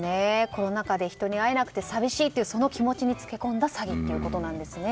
コロナ禍で人に会えなくて寂しいというその気持ちにつけ込んだ詐欺ということなんですね。